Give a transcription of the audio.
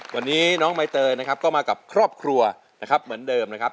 วันนี้น้องใบเตยนะครับก็มากับครอบครัวนะครับเหมือนเดิมนะครับ